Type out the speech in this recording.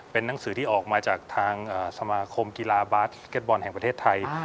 เป็นนังสือที่ออกมาจากทางสมาคมกีฬาบาสเก็ตบอลแห่งประเทศไทย